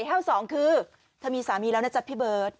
คือเธอมีสามีแล้วนะจ๊ะพี่เบิร์ต